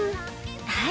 はい。